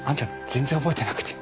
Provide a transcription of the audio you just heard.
全然覚えてなくて。